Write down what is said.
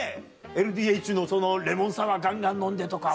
ＬＤＨのそのレモンサワーガンガン飲んでとかは。